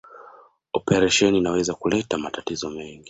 Operesheni inaweza kuleta matatizo mengi